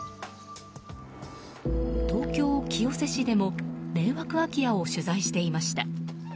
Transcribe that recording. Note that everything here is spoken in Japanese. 東京・清瀬市でも迷惑空き家を取材していました。